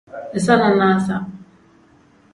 Iza nanasa.